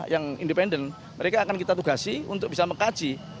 yang independen mereka akan kita tugasi untuk bisa mengkaji